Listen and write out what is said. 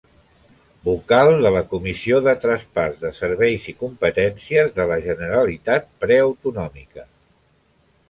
Vocal de la Comissió de traspàs de serveis i competències de la Generalitat preautonòmica.